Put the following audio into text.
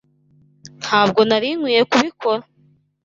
Ntabwo nari nkwiye kubikora?